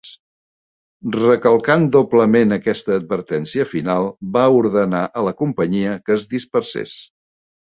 Recalcant doblement aquesta advertència final, va ordenar a la companyia que es dispersés.